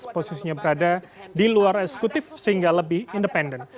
posisinya berada di luar eksekutif sehingga lebih independen